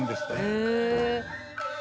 へえ。